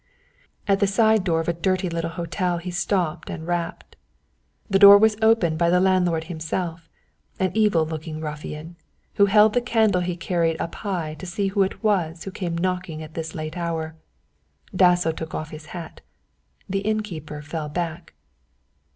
At the side door of a dirty little hotel he stopped and rapped. The door was opened by the landlord himself, an evil looking ruffian, who held the candle he carried up high to see who it was who came knocking at this late hour. Dasso took off his hat. The innkeeper fell back.